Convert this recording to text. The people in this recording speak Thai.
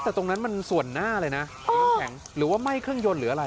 ถ้างั้นมันมีส่วนหน้าเลยนะหรือว่าไหม้เครื่องยนต์หรืออะไร